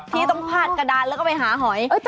ที่ต้องพาดกระดานแล้วก็ไปหาหอย